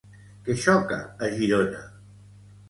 Què xoca a Girona?